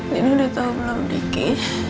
nino udah tau belum diki